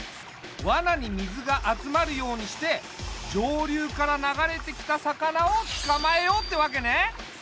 わなに水が集まるようにして上流から流れてきた魚をつかまえようってわけね。